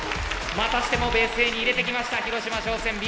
またしてもベースＡに入れてきました広島商船Ｂ。